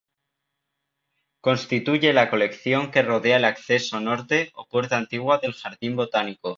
Constituye la colección que rodea al acceso norte o puerta antigua del jardín botánico.